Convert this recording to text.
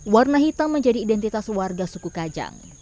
warna hitam menjadi identitas warga suku kajang